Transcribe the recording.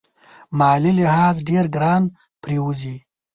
مالي لحاظ ډېر ګران پرېوزي.